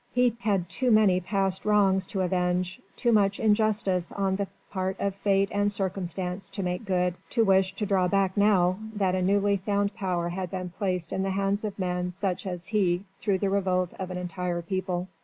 He had too many past wrongs to avenge, too much injustice on the part of Fate and Circumstance to make good, to wish to draw back now that a newly found power had been placed in the hands of men such as he through the revolt of an entire people.